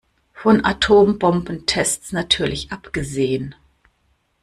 Von Atombombentests natürlich abgesehen.